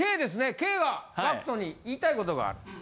ＫがＧＡＣＫＴに言いたいことがある。